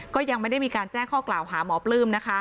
ก็ยังไม่ได้มีการแจ้งข้อกล่าวหาหมอปลื้มนะคะ